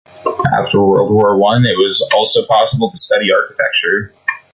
After World War One it was also possible to study architecture.